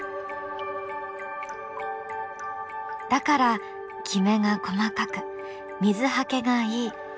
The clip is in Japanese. だからきめが細かく水はけがいい。